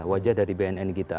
wajah dari bnn kita